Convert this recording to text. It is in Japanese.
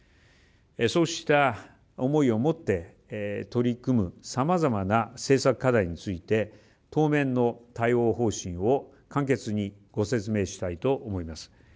そうした思いを持って取り組むさまざまな政策課題について当面の対応方針を簡潔にご説明したいと思います。